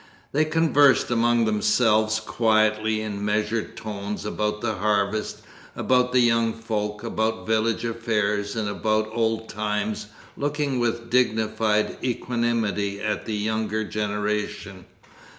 They conversed among themselves quietly in measured tones, about the harvest, about the young folk, about village affairs, and about old times, looking with dignified equanimity at the younger generation.